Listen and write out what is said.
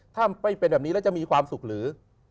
ถ้าไม่เป็นแบบนี้แล้วจะมีความสุขหรือ